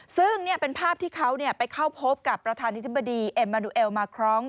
ซึ่งเป็นภาพที่เขาไปเข้าพบกับประธานธิบดีเอ็มมาดูเอลมาครอง